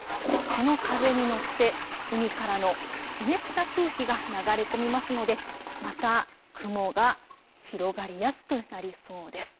この風に乗って海からの湿った空気が流れ込みますのでまた雲が広がりやすくなりそうです。